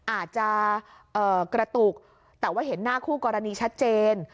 อาจจะกระตุกแต่ว่าเห็นหน้าคู่กรณีชัดเจน